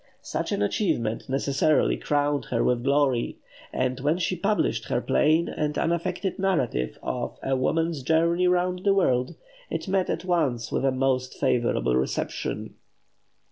Such an achievement necessarily crowned her with glory; and when she published her plain and unaffected narrative of "A Woman's Journey Round the World," it met at once with a most favourable reception.